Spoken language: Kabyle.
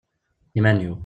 Iman-iw.